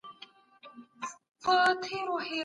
د فرد توپیرونو د ټولني په هڅو کي نورو علمونو ته اړتیا لري.